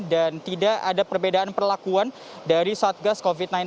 dan tidak ada perbedaan perlakuan dari satgas covid sembilan belas